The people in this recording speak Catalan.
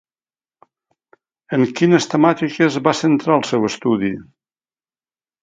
En quines temàtiques va centrar el seu estudi?